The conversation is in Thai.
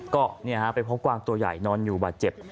ก็ไปพบกวางตัวใหญ่นอนอยู่บาดเจ็บ